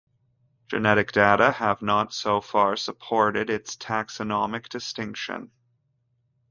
Genetic data have not so far supported its taxonomic distinction.